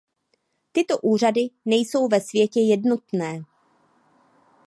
Tyto úřady nejsou ve světě jednotné.